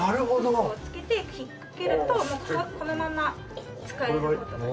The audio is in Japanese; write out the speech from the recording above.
フックをつけて引っ掛けるとこのまま使えるので。